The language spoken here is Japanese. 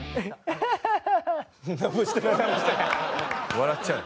笑っちゃう。